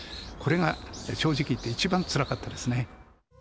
これが正直いって一番つらかったですね。